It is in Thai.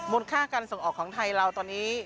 ค่าการส่งออกของไทยเราตอนนี้